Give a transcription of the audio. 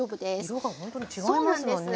色がほんとに違いますもんね。